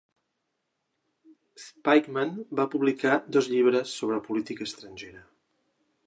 Spykman va publicar dos llibres sobre política estrangera.